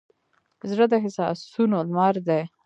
زړه د احساسونو لمر دی.